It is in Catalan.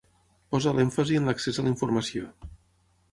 Posa l'èmfasi en l'accés a la informació.